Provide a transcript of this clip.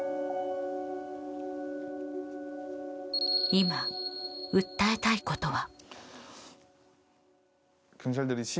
今、訴えたいことは。